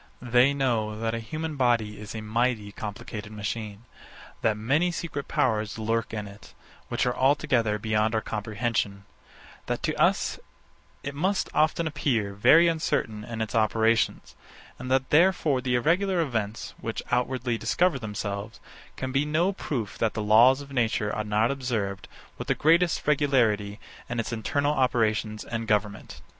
They know that a human body is a mighty complicated machine: That many secret powers lurk in it, which are altogether beyond our comprehension: That to us it must often appear very uncertain in its operations: And that therefore the irregular events, which outwardly discover themselves, can be no proof that the laws of nature are not observed with the greatest regularity in its internal operations and government.